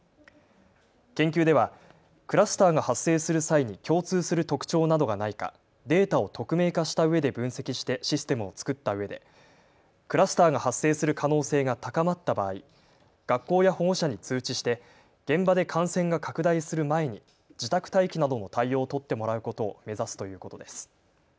研究ではクラスターが発生する際に共通する特徴などがないかデータを匿名化したうえで分析してシステムを作ったうえでクラスターが発生する可能性が高まった場合、学校や保護者に通知して現場で感染が拡大する前に自宅待機などの対応を取ってもらうことを目指すということです。